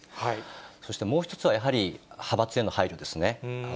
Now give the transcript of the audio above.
そしてもう１つは、やはり派閥への配慮ですね。